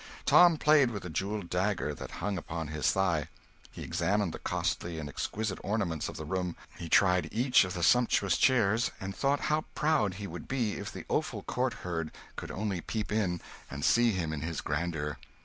Tom played with the jewelled dagger that hung upon his thigh; he examined the costly and exquisite ornaments of the room; he tried each of the sumptuous chairs, and thought how proud he would be if the Offal Court herd could only peep in and see him in his grandeur.